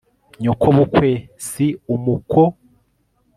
nyokobukwe si umuko